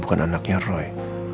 bukan anaknya roy